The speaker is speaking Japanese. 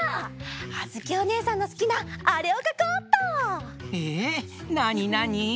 あづきおねえさんのすきなあれをかこうっと！えなになに？